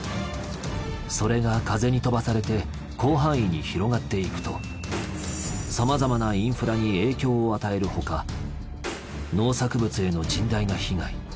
それが風に飛ばされて広範囲に広がっていくとさまざまなインフラに影響を与えるほか農作物への甚大な被害。